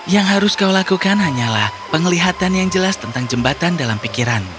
yang harus kau lakukan hanyalah penglihatan yang jelas tentang jembatan dalam pikiranmu